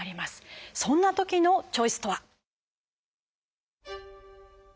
そんなときのチョイスとは。